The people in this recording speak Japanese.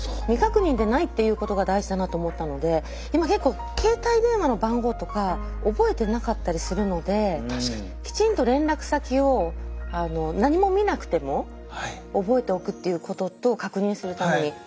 未確認でないっていうことが大事だなと思ったので今結構携帯電話の番号とか覚えてなかったりするのできちんと連絡先を何も見なくても覚えておくっていうことと確認するために。